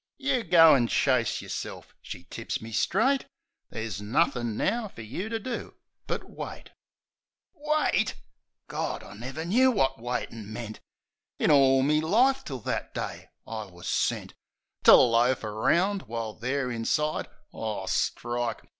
"You go an' chase yerself !" she tips me straight. "Ther's nothin' now fer you to do but — wait." Wait ?... Gawd !... I never knoo wot waitin' meant. In all me life, till that day I was sent To loaf around, while there inside — Aw, strike!